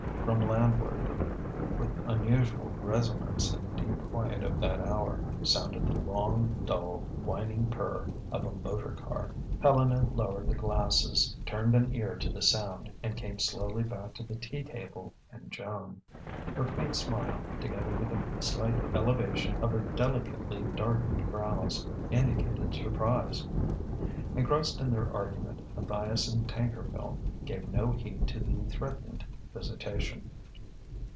From landward, with unusual resonance in the deep quiet of that hour, sounded the long, dull, whining purr of a motor car. Helena lowered the glasses, turned an ear to the sound, and came slowly back to the tea table and Joan. Her faint smile, together with a slight elevation of her delicately darkened brows, indicated surprise. Engrossed in their argument, Matthias and Tankerville gave no heed to the threatened visitation.